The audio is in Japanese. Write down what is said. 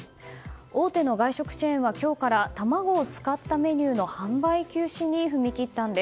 大手の外食チェーンは今日から卵を使ったメニューの販売休止に踏み切ったんです。